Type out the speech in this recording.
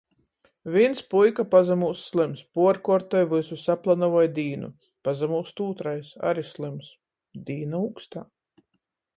Vīns puika pasamūst slyms. Puorkuortoj vysu, saplanavoj dīnu. Pasamūst ūtrais, ari slyms. Dīna ūkstā.